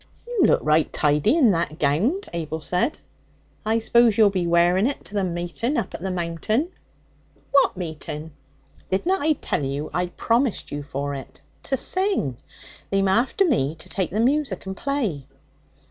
'You look right tidy in that gownd,' Abel said. 'I 'spose you'll be wearing it to the meeting up at the Mountain?' 'What meeting?' 'Didna I tell you I'd promised you for it to sing? They'm after me to take the music and play.'